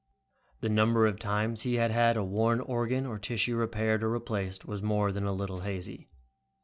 The number of times he had had a worn organ or tissue repaired or replaced was more than a little hazy.